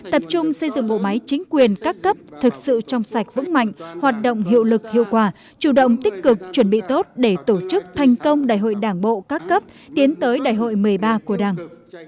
tập trung xây dựng bộ máy chính quyền các cấp thực sự trong sạch vững mạnh hoạt động hiệu lực hiệu quả chủ động tích cực chuẩn bị tốt để tổ chức thành công đại hội đảng bộ các cấp tiến tới đại hội một mươi ba của đảng